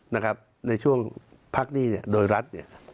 ในช่วงพักหนี้โดยรัฐ